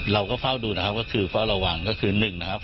เราก็เฝ้าดูนะครับก็คือเฝ้าระวังก็คือ๑นะครับ